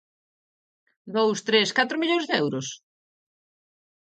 Dous, tres, catro millóns de euros?